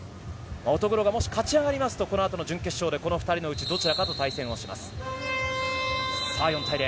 乙黒がもし勝ち上がりますとこのあとの準決勝でこのうちのどちらかと対戦をします、４対０。